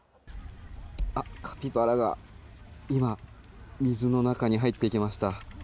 カピバラが今水の中に入っていきました。